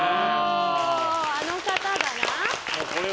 あの方だな。